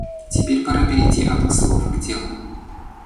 Теперь пора перейти от слов к делу.